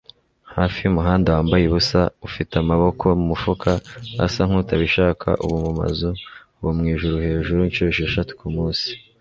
hafi yumuhanda wambaye ubusa, ufite amaboko mumufuka asa nkutabishaka ubu mumazu, ubu mwijuru hejuru. inshuro esheshatu kumunsi